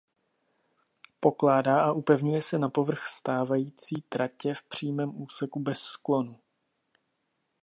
Pokládá a upevňuje se na povrch stávající tratě v přímém úseku bez sklonu.